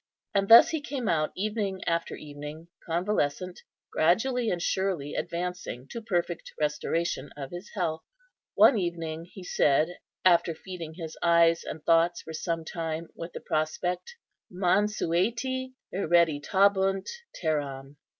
And thus he came out evening after evening convalescent, gradually and surely advancing to perfect restoration of his health. One evening he said, after feeding his eyes and thoughts for some time with the prospect, " 'Mansueti hereditabunt terram.